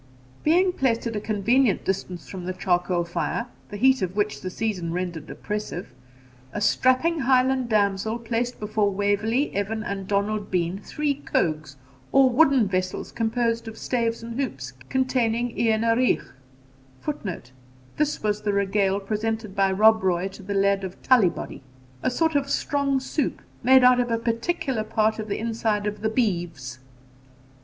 Being placed at a convenient distance from the charcoal fire, the heat of which the season rendered oppressive, a strapping Highland damsel placed before Waverley, Evan, and Donald Bean three cogues, or wooden vessels composed of staves and hoops, containing eanaruich, [Footnote: This was the regale presented by Rob Roy to the Laird of Tullibody.] a sort of strong soup, made out of a particular part of the inside of the beeves.